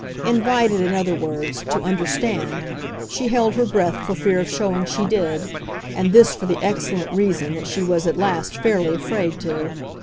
Invited, in other words, to understand, she held her breath for fear of showing she did, and this for the excellent reason that she was at last fairly afraid to.